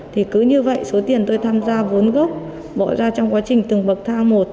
thì cứ như vậy số tiền tôi tham gia vốn gốc bỏ ra trong quá trình từng bậc thang một